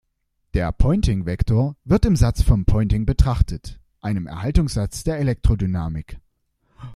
Der Poynting-Vektor wird im Satz von Poynting betrachtet, einem Erhaltungssatz der Elektrodynamik.